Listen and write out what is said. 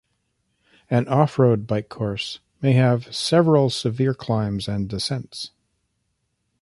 An off-road bike course may have several severe climbs and descents.